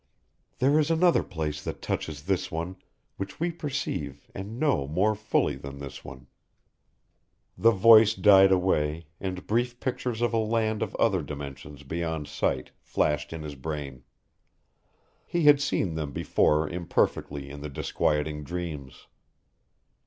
"There is another place that touches this one which we perceive and know more fully than this one." The voice died away and brief pictures of a land of other dimensions beyond sight flashed in his brain. He had seen them before imperfectly in the disquieting dreams.